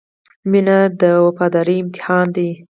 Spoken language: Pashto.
• مینه د وفادارۍ امتحان دی.